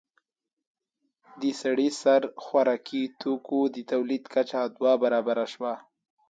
د سړي سر خوراکي توکو د تولید کچه دوه برابره شوه